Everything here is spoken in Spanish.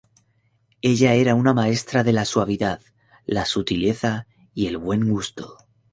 Ella era una maestra de la suavidad, la sutileza y el buen gusto.